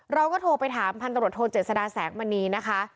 เราก็โทรไปถามพันตะโหลดโทนเจ็ดสดาแสงมานีนะคะ